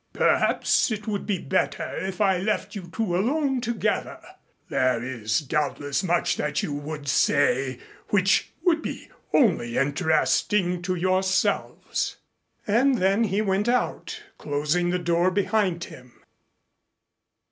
"Perhaps it would be better if I left you two alone together. There is doubtless much that you would say which would be only interesting to yourselves." And then he went out, closing the door behind him.